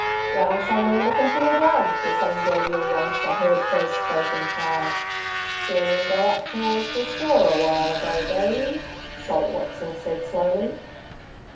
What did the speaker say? "Round somewhere lookin' for your blood," the same jovial youngster, who had first spoken, cried. "Seen him go up towards the store a while ago, Davey," Salt Watson said slowly.